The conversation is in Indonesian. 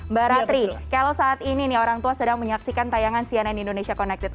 mbak ratri kalau saat ini nih orang tua sedang menyaksikan tayangan cnn indonesia connected